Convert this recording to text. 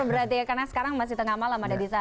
berarti ya karena sekarang masih tengah malam ada di sana